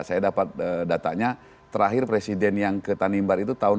saya dapat datanya terakhir presiden yang ke tanimbar itu tahun seribu sembilan ratus lima puluh delapan